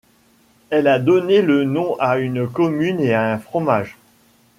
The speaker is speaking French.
Elle a donné le nom à une commune et à un fromage.